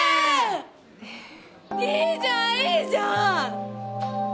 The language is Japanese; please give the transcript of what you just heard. えっいいじゃんいいじゃん！